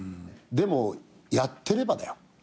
でもやってればだよ。